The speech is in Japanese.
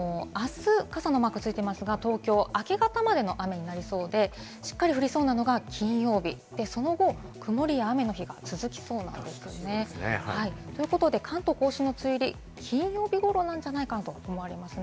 明日、傘のマークついていますが、東京は明け方までの雨になりそうで、しっかり降りそうなのが金曜日、その後、曇りや雨の日が続きそうです。ということで関東甲信の梅雨入りは金曜日頃なんじゃないかと思われます。